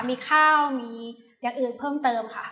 มีข้าวมีอย่างอื่นเพิ่มเติมค่ะ